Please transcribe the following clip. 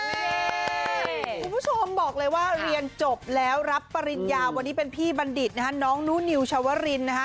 คุณผู้ชมบอกเลยว่าเรียนจบแล้วรับปริญญาวันนี้เป็นพี่บัณฑิตนะฮะน้องนูนิวชาวรินนะฮะ